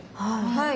はい。